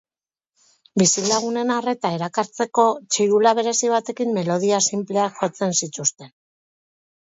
Bizilagunen arreta erakartzeko, txirula berezi batekin melodia sinpleak jotzen zituzten.